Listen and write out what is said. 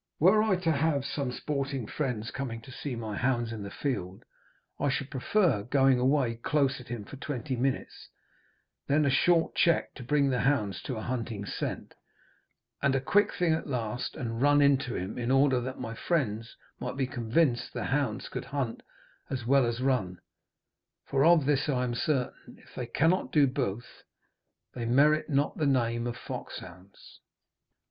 Were I to have some sporting friends coming to see my hounds in the field, I should prefer going away close at him for twenty minutes, then a short check, to bring the hounds to a hunting scent, and a quick thing at last, and run into him, in order that my friends might be convinced the hounds could hunt as well as run; for of this I am certain, if they cannot do both, they merit not the name of foxhounds.